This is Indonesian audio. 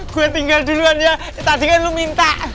gue tinggal duluan ya tadi kan lu minta